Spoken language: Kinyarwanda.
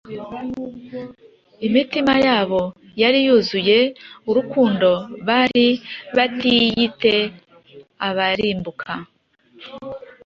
Imitima yabo yari yuzuye urukundo bari batiyite abarimbuka